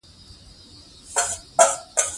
اوږده غرونه د افغانستان د پوهنې نصاب کې شامل دي.